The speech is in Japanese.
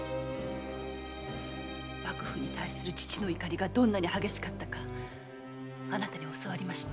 幕府に対する父の怒りがどんなに激しかったかあなたに教わりました。